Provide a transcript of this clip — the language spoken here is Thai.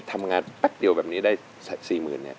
ทำงานแป๊บเดียวแบบนี้ได้๔มูลนี้